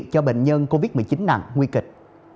cho bệnh nhân covid một mươi chín nặng nguy kịch